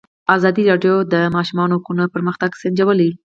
ازادي راډیو د د ماشومانو حقونه پرمختګ سنجولی.